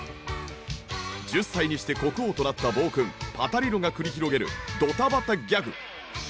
１０歳にして国王となった暴君パタリロが繰り広げるドタバタギャグ。